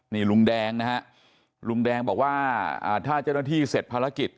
นี่ลุงแดงนะฮะลุงแดงบอกว่าถ้าเจ้าหน้าที่เสร็จภารกิจ